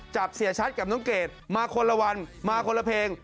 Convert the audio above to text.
เสียชัดกับน้องเกดมาคนละวันมาคนละเพลง